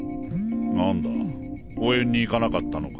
何だ応援に行かなかったのか？